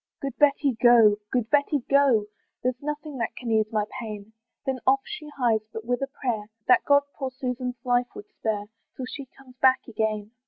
"Good Betty go, good Betty go, "There's nothing that can ease my pain." Then off she hies, but with a prayer That God poor Susan's life would spare, Till she comes back again.